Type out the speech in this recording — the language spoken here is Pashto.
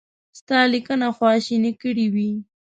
ستا لیکنه خواشینی کړی وي.